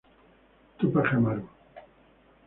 Túpac Amaru.